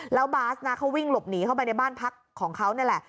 แล้วบาสนะเขาวิ่งหลบหนีเข้าไปในบ้านพักของเขานี่แหละ